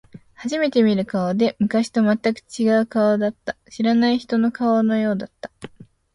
初めて見る顔で、昔と全く違う顔だった。知らない人の顔のようだった。